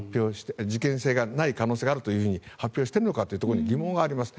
事件性がない可能性があると発表しているのかというところに疑問はあります。